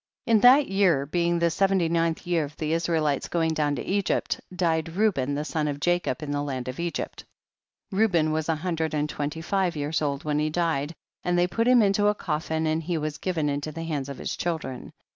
In that year, being the seventy ninth year of the Israelites going down to Egypt, died Reuben the son of Jacob, in the land of Egypt ; Reu ben was a hundred and twenty five years old when he died, and they put him into a coffin, and he was 'given into the hands of his children.